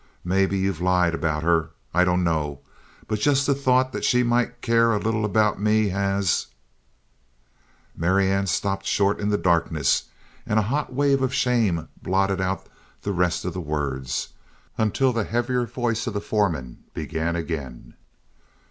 Maybe you've lied about her. I dunno. But just the thought that she might care a little about me has " Marianne stopped short in the darkness and a hot wave of shame blotted out the rest of the words until the heavier voice of the foreman began again.